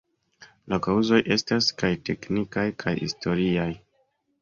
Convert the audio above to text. La kaŭzoj estas kaj teknikaj kaj historiaj.